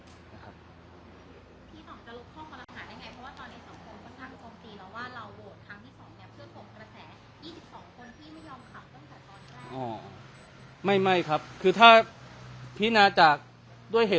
พี่สองจะลุกข้อมหาดังไงเพราะว่าตอนนี้สังคมคนทางปกติแล้วว่าเราโหวตทั้งที่สองเพื่อโทษกระแส๒๒คนที่ไม่ยอมขับตั้งแต่ตอนแรก